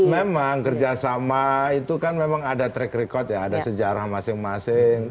memang kerjasama itu kan memang ada track record ya ada sejarah masing masing